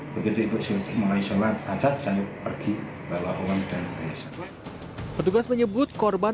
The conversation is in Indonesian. kemudian tersangka mengajak korban untuk mengambil bantuan tersebut di kantor kauk paten